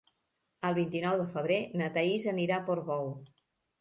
El vint-i-nou de febrer na Thaís anirà a Portbou.